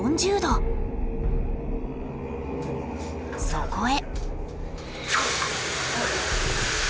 そこへ。